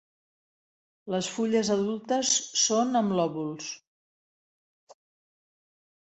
Les fulles adultes són amb lòbuls.